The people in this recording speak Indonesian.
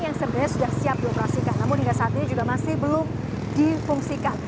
yang sebenarnya sudah siap dioperasikan namun hingga saat ini juga masih belum difungsikan